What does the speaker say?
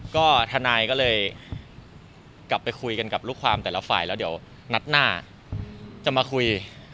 ก็ทนายก็เลยกลับไปคุยกันกับลูกความแต่ละฝ่ายแล้วเดี๋ยวนัดหน้าจะมาคุย